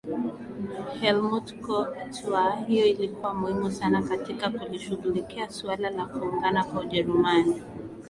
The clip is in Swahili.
Helmut KohlHatua hiyo ilikuwa muhimu sana katika kulishughulikia suala la kuungana kwa Ujerumani